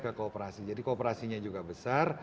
ke kooperasi jadi kooperasinya juga besar